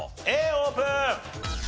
Ａオープン！